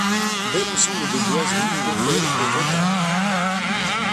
Bel ensemble de boiseries, autel et retable.